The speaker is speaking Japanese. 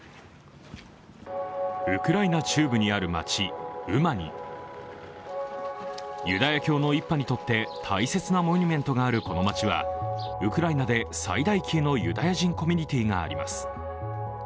ウクライナ中部にある街、ウマニユダヤ教の一派にとって大切なモニュメントがあるこの街はウクライナで最大級のユダヤ人コミュニティーがあります。